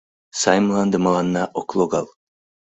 Сай мланде мыланна ок логал.